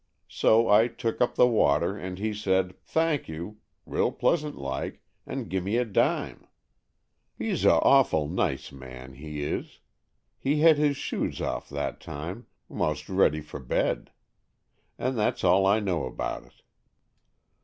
So I took up the water, and he said, 'Thank you,' real pleasant like, and gimme a dime. He's a awful nice man, he is. He had his shoes off that time, 'most ready for bed. And that's all I know about it."